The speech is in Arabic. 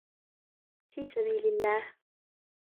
في سبيل الله.